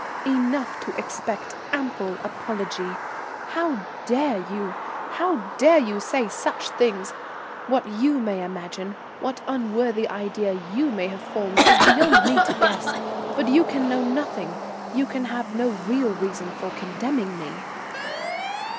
"Enough to expect ample apology. How dare you, how dare you say such things? What you may imagine, what unworthy idea you may have formed, is beyond me to guess, but you can know nothing. You can have no real reason for condemning me."